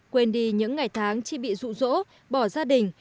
quên đi những ngày tháng chỉ bị rụ rỗ bỏ gia đình